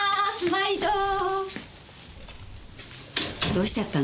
毎度！どうしちゃったの？